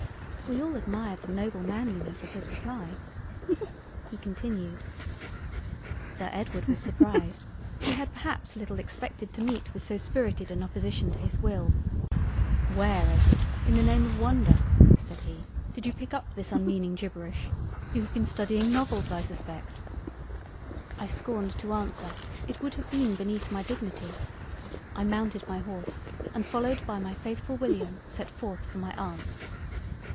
We all admired the noble Manliness of his reply. He continued. "Sir Edward was surprised; he had perhaps little expected to meet with so spirited an opposition to his will. "Where, Edward in the name of wonder (said he) did you pick up this unmeaning gibberish? You have been studying Novels I suspect." I scorned to answer: it would have been beneath my dignity. I mounted my Horse and followed by my faithful William set forth for my Aunts."